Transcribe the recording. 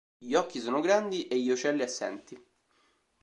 Gli occhi sono grandi e gli ocelli assenti.